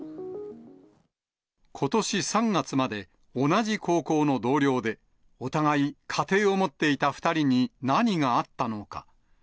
ことし３月まで同じ高校の同僚で、お互い家庭を持っていた２人に何があったのか。